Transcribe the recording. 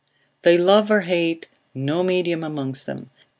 They love or hate, no medium amongst them.